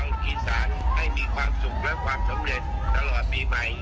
ลูกป้อมผมด้วยนะครับ